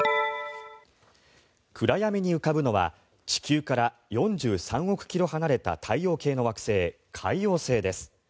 暗闇に浮かぶのは地球から４３億ｋｍ離れた太陽系の惑星、海王星です。